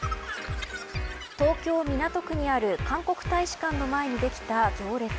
東京、港区にある韓国大使館の前でできた行列。